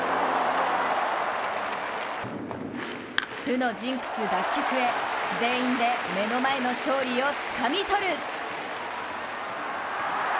負のジンクス脱却へ全員で目の前の勝利をつかみ取る！